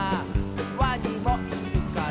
「ワニもいるから」